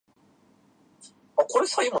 笑いすぎた